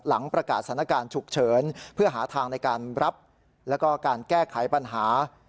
ประกาศสถานการณ์ฉุกเฉินเพื่อหาทางในการรับแล้วก็การแก้ไขปัญหา